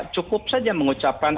cukup saja mengucapkan